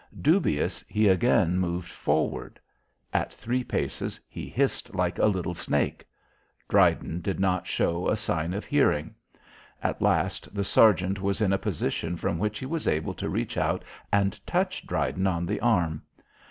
Dubious he again moved forward. At three paces, he hissed like a little snake. Dryden did not show a sign of hearing. At last, the sergeant was in a position from which he was able to reach out and touch Dryden on the arm.